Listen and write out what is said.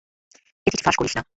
এ চিঠি ফাঁস করিস না।